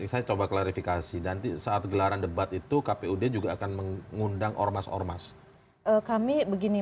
saya coba klarifikasi dan saat gelaran debat itu kpud juga akan mengundang ormas ormas kami begini